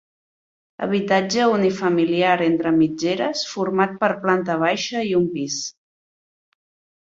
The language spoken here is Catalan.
Habitatge unifamiliar entre mitgeres, format per planta baixa i un pis.